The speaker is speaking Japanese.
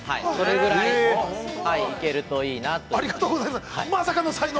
それぐらい行けるといいなと思います。